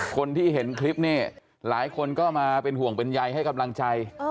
คนที่เห็นคลิปนี้หลายคนก็มาเป็นห่วงเป็นใยให้กำลังใจ